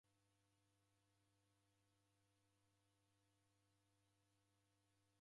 Nineka igome nighuo wughanga